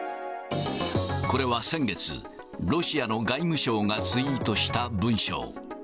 これは先月、ロシアの外務省がツイートした文章。